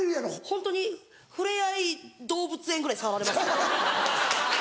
ホントに触れ合い動物園ぐらい触られました。